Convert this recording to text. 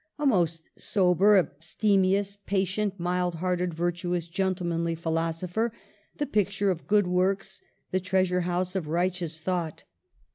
— a most sober, abstemious, patient, mild hearted, virtuous, gentlemanly phi losopher, the picture of good works, the treasure house of righteous thought.